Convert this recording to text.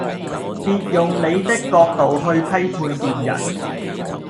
別用你的角度去批判別人